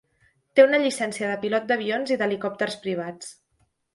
Té una llicència de pilot d'avions i helicòpters privats.